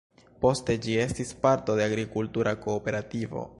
Poste ĝi estis parto de agrikultura kooperativo.